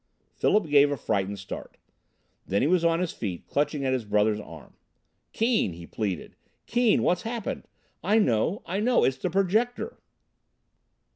Philip gave a frightened start. Then he was on his feet, clutching at his brother's arm. "Keane!" he pleaded, "Keane! What's happened? I know, I know! It's the Projector."